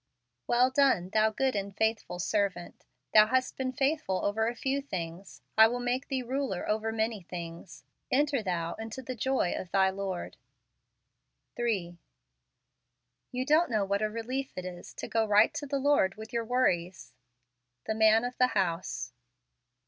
" Well done , thou good and faithful servant; thou hast been faithful over a feic things , lie ill make thee ruler over many things: enter thou into the joy of thy Lord." 3. You don't know what a relief it is to go right to the Lord with your worries. The Man of the House.